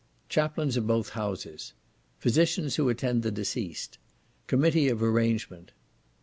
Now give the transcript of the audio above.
Chaplains of both Houses. Physicians who attend the deceased. Committee of arrangement.